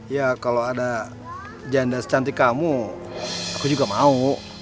ya kalau ada janda secantik kamu aku juga mau